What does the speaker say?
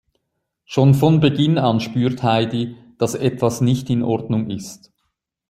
Schon von Beginn an spürt Heidi, dass etwas nicht in Ordnung ist.